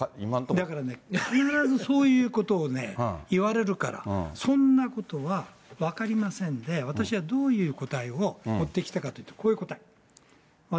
だからね、必ずそういうことをいわれるから、そんなことは分かりませんで、私はどういう答えを持ってきたかというと、こういう答え。